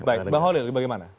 baik mbak holil bagaimana